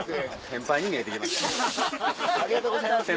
先輩ありがとうございます。